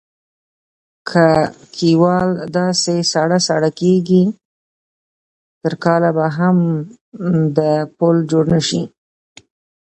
که کیوال داسې ساړه ساړه کېږي تر کاله به هم د پول جوړ نشي.